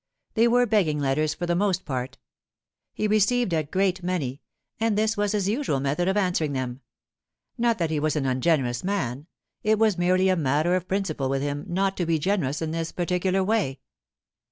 They were begging letters for the most part. He received a great many, and this was his usual method of answering them: not that he was an ungenerous man; it was merely a matter of principle with him not to be generous in this particular way.